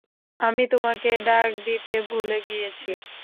আমি তোমাকে ডাক দিতে ভুলে গিয়েছি।